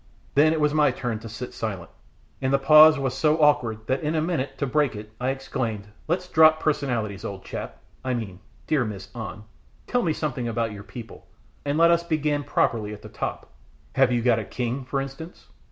Then it was my turn to sit silent, and the pause was so awkward that in a minute, to break it, I exclaimed "Let's drop personalities, old chap I mean my dear Miss An. Tell me something about your people, and let us begin properly at the top: have you got a king, for instance?"